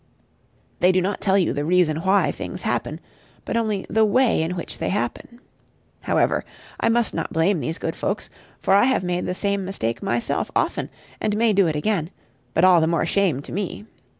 They do not tell you the "Reason Why" things happen, but only "The Way in which they happen." However, I must not blame these good folks, for I have made the same mistake myself often, and may do it again: but all the more shame to me.